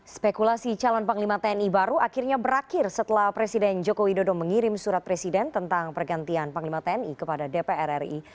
spekulasi calon panglima tni baru akhirnya berakhir setelah presiden joko widodo mengirim surat presiden tentang pergantian panglima tni kepada dpr ri